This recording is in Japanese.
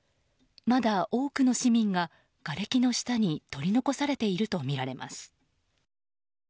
まだ多くの市民ががれきの下に取り残されているとみられます。